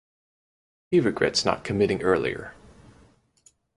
He regrets not committing earlier.